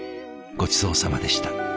ごちそうさまでした。